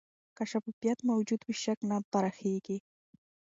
که شفافیت موجود وي، شک نه پراخېږي.